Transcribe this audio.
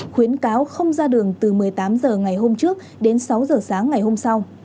khuyến cáo không ra đường từ một mươi tám h ngày hôm trước đến sáu h sáng ngày hôm sau